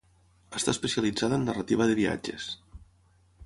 Està especialitzada en narrativa de viatges.